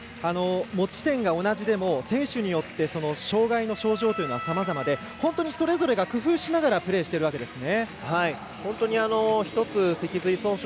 持ち点が同じでも選手によっては障がいの症状というのはさまざまで本当にそれぞれが工夫しながらプレーしているわけですね。